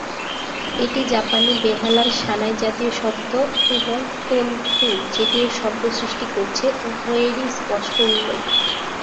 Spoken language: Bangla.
এটি জাপানি বেহালার সানাই-জাতীয় শব্দ এবং, তন্তু যেটি এর শব্দ সৃষ্টি করছে, উভয়েরই স্পষ্ট উল্লেখ।